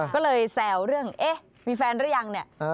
ก็เลยแซวเรื่องเอ๊ะมีแฟนหรือยังเนี่ย